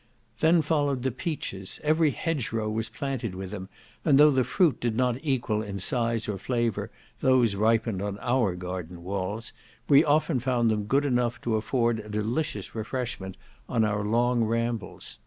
Then followed the peaches; every hedgerow was planted with them, and though the fruit did not equal in size or flavour those ripened on our garden walls, we often found them good enough to afford a delicious refreshment on our long rambles.